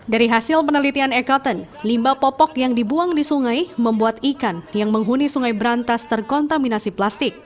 dari hasil penelitian ekaton limbah popok yang dibuang di sungai membuat ikan yang menghuni sungai berantas terkontaminasi plastik